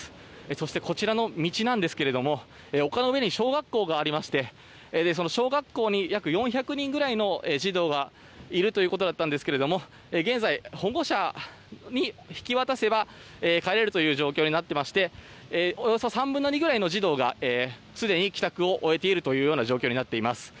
そして、こちらの道なんですが丘の上に小学校がありましてその小学校に約４００人ぐらいの児童がいるということでしたが現在、保護者に引き渡せば帰れるという状況になっておりましておよそ３分の２ぐらいの児童がすでに帰宅を終えているという状況になっています。